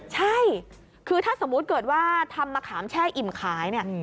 ใช่คือถ้าสมมุติเกิดว่าทำมะขามแช่อิ่มขายเนี่ย